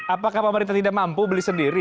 apakah pemerintah tidak mampu beli sendiri